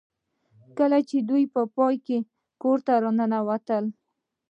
کله چې دوی په پای کې کور ته ننوتل